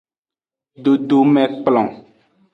Dodomekplon.